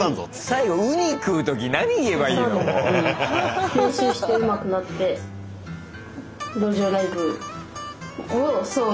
最後ウニ食う時何言えばいいのもう。